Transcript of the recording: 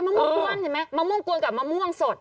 ม่วงกวนเห็นไหมมะม่วงกวนกับมะม่วงสด